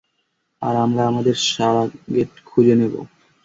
আর আমরা আমাদের সারোগেট খুঁজে নেবো।